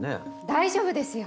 大丈夫ですよ。